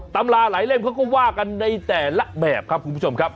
ตำราหลายเล่มเขาก็ว่ากันในแต่ละแบบครับคุณผู้ชมครับ